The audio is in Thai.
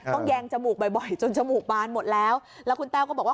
แยงจมูกบ่อยจนจมูกบานหมดแล้วแล้วคุณแต้วก็บอกว่า